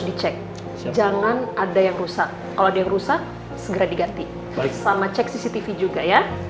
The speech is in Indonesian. dicek jangan ada yang rusak kalau ada yang rusak segera diganti sama cek cctv juga ya